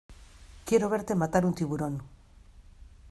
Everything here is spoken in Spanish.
quiero verte matar un tiburón.